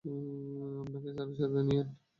আমাকেও আপনার সাথে নিয়েন।